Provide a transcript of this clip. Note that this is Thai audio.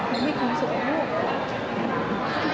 มันมีความสุขกับลูก